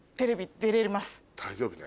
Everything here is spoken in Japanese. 大丈夫ね？